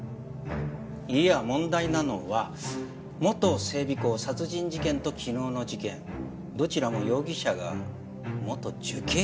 いいや問題なのは元整備工殺人事件と昨日の事件どちらも容疑者が元受刑者だという事だ。